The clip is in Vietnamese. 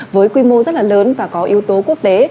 với quy mô rất là lớn và có yếu tố quốc tế